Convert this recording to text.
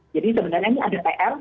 jadi sebenarnya ini ada pr